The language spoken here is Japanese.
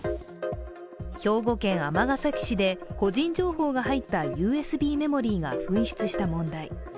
兵庫県尼崎市で個人情報が入ったＵＳＢメモリーが紛失した問題。